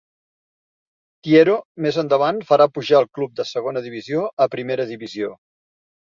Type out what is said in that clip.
Tiero més endavant farà pujar el club de segona divisió a primera divisió.